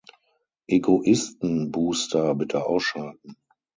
Egoisten Booster bitte ausschalten.